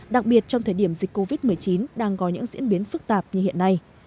đặc biệt trong thời điểm dịch covid một mươi chín đang có những diễn biến phức tạp như hiện nay